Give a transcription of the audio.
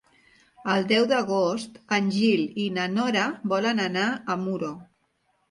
El deu d'agost en Gil i na Nora volen anar a Muro.